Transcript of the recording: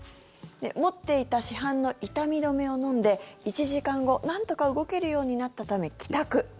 持っていた市販の痛み止めを飲んで１時間後、なんとか動けるようになったため帰宅。